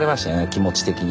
気持ち的に。